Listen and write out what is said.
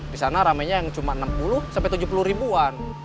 di sana ramainya yang cuma enam puluh sampai tujuh puluh ribuan